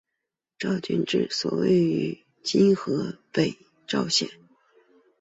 赵郡治所位于今河北赵县。